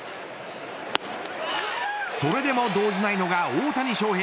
それでも動じないのが大谷翔平。